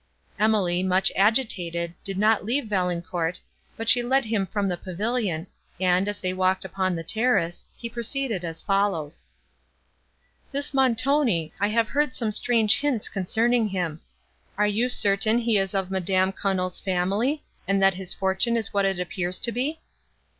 Emily, much agitated, did not leave Valancourt, but she led him from the pavilion, and, as they walked upon the terrace, he proceeded as follows: "This Montoni: I have heard some strange hints concerning him. Are you certain he is of Madame Quesnel's family, and that his fortune is what it appears to be?"